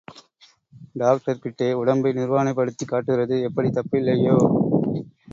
டாக்டர்கிட்டே உடம்பை நிர்வாணப்படுத்திக் காட்டுறது எப்படித் தப்பில்லையோ,